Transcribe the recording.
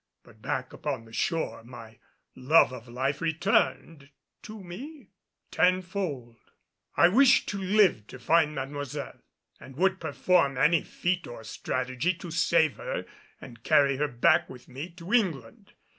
But back upon the shore my love of life returned to me tenfold. I wished to live to find Mademoiselle, and would perform any feat or strategy to save her and carry her back with me to England.